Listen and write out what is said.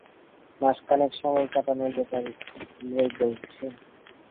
মাস খানেক সময় কাটানোর ব্যাপারে বলছ?